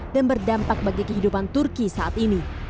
dan berdampak bagi kehidupan turki saat ini